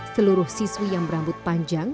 seluruh siswi yang berambut panjang